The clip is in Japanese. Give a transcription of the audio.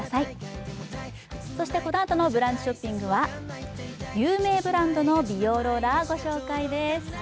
このあとの「ブランチショッピング」は有名ブランドの美容ローラーをご紹介です。